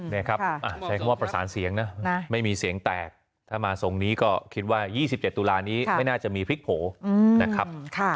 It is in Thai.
นี่ครับใช้คำว่าประสานเสียงนะไม่มีเสียงแตกถ้ามาทรงนี้ก็คิดว่า๒๗ตุลานี้ไม่น่าจะมีพลิกโผล่นะครับ